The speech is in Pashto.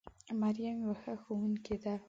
مريم يوه ښه ښوونکې ده